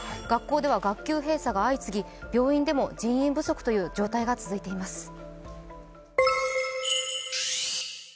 学校では学級閉鎖が相次ぎ、病院でも人員不足という状態が続いています。